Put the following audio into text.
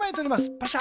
パシャ。